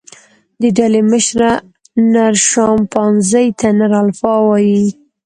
د ډلې مشره، نر شامپانزي ته نر الفا وایي.